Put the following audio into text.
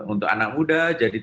untuk anak muda